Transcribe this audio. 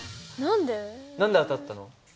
何で当たったの？